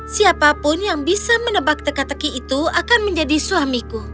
siapapun yang bisa menebak teka teki itu akan menjadi suamiku